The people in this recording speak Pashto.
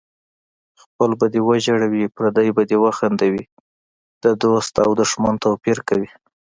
خپل به دې وژړوي پردی به دې وخندوي د دوست او دښمن توپیر کوي